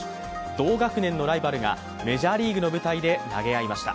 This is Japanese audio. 同学年のライバルがメジャーリーグの舞台で投げ合いました。